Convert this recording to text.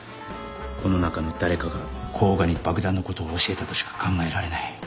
この中の誰かが甲賀に爆弾のことを教えたとしか考えられない。